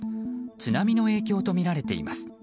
津波の影響とみられています。